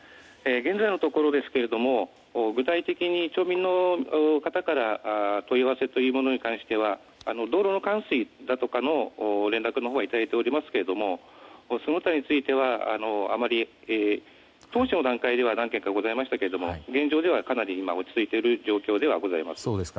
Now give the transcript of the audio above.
現在のところ具体的に町民の方からきた問い合わせに関しては道路冠水だとかの連絡のほうはいただいておりますけれどもその他についてはあまり当初の段階では何件かございましたが現状ではかなり落ち着いている状況です。